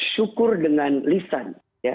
syukur dengan lisan